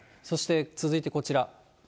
そして続いてこちら。